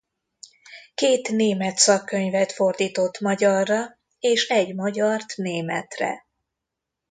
Két német szakkönyvet fordított magyarra és egy magyart németre.